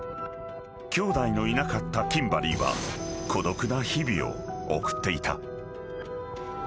［きょうだいのいなかったキンバリーは孤独な日々を送っていた］